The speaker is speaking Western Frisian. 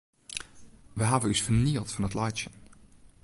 Wy hawwe ús fernield fan it laitsjen.